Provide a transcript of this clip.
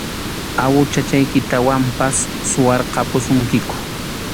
Awuhachaykitawanpas suwarqapusunkiku.